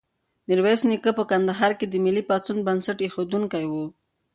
میرویس نیکه په کندهار کې د ملي پاڅون بنسټ ایښودونکی و.